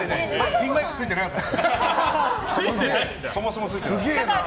ピンマイクついてなかったから。